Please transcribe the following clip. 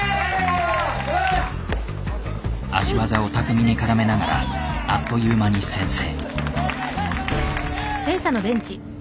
足技を巧みに絡めながらあっという間に先制。